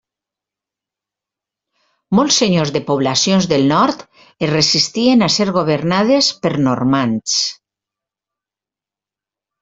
Molts senyors de poblacions del nord es resistien a ser governades per normands.